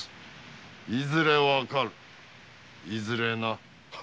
いずれ分かるいずれな。